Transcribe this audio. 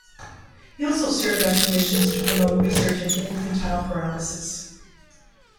He also served on commissions to promote research into Infantile Paralysis.